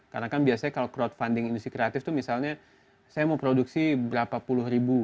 karena kan biasanya kalau crowdfunding industri kreatif tuh misalnya saya mau produksi berapa puluh ribu